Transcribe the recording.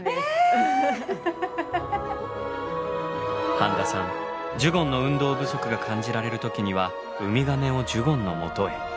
半田さんジュゴンの運動不足が感じられる時にはウミガメをジュゴンのもとへ。